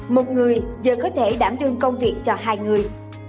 một người giờ có thể đảm đương công việc cho hai người